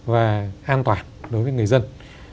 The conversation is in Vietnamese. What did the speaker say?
và an toàn đối với người dân